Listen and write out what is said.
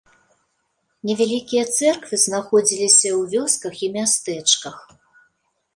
Невялікія цэрквы знаходзіліся ў вёсках і мястэчках.